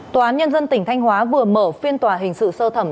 tòa án nhân dân tỉnh thanh hóa vừa mở phiên tòa hình sự sơ thẩm